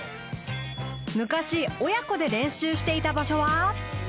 昔親子で練習していた場所は。